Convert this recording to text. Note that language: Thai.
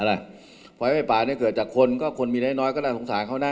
เพราะไฟป่าเนี่ยเกิดจากคนก็คนมีน้อยก็น่าสงสารเขานะ